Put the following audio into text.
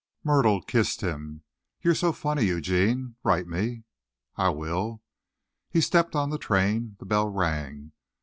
Myrtle kissed him. "You're so funny, Eugene. Write me." "I will." He stepped on the train. The bell rang.